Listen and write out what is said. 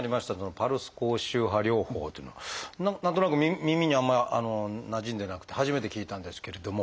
パルス高周波療法というのは何となく耳にあんまりなじんでなくて初めて聞いたんですけれども。